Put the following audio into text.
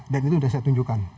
dan itu sudah saya tunjukkan